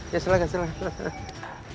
ya silahkan silahkan